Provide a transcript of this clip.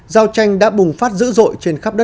giao tranh đã bùng phát dữ dội trên khắp đất